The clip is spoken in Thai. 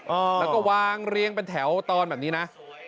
แล้วก็วางเรียงเป็นแถวตอนแบบนี้นะ